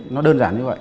nó đơn giản như vậy